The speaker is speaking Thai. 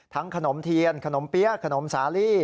ขนมเทียนขนมเปี๊ยะขนมสาลี